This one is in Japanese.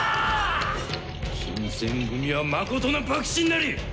新選組は誠の幕臣なり！